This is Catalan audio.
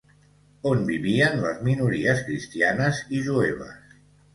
On vivien les minories cristianes i jueves?